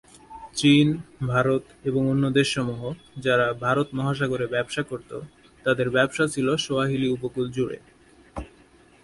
চীন, ভারত এবং অন্য দেশসমূহ যারা ভারত মহাসাগরে ব্যবসা করতো তাদের ব্যবসা ছিলো সোয়াহিলি উপকূল জুড়ে।